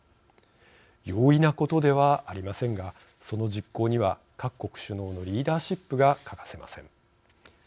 容易なことではありませんがその実行には各国首脳のリーダーシップが欠かせません。